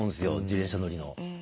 自転車乗りの。